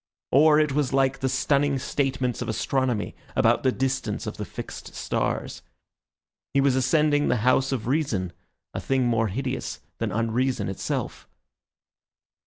Or it was like the stunning statements of astronomy about the distance of the fixed stars. He was ascending the house of reason, a thing more hideous than unreason itself.